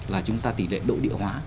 là chúng ta tỷ lệ độ địa hóa